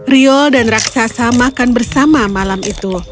rio dan raksasa makan bersama malam itu